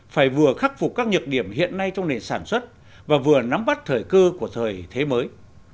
phải vừa khắc phục các nhược điểm hiện nay trong nền sản xuất và vừa nắm bắt thời cơ của thời thế mới